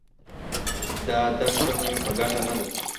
دا دښته مو په ګټه نه ده.